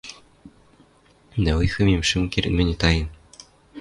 Дӓ ойхемӹм шӹм керд мӹньӹ таен —